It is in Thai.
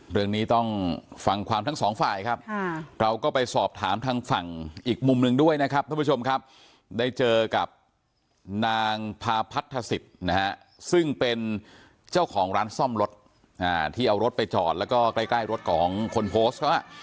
เรื่องนี้ต้องฟังความทั้งสองฝ่ายครับเราก็ไปสอบถามทางฝั่งอีกมุมหนึ่งด้วยนะครับท่านผู้ชมครับได้เจอกับนางพาพัทธศิษย์นะฮะซึ่งเป็นเจ้าของร้านซ่อมรถที่เอารถไปจอดแล้วก็ใกล้รถของคนโพสต์เขา